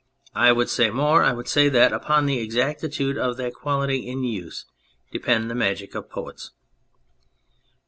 I would say more : I would say that upon the exactitude of that quality in use depended the magic of the poets.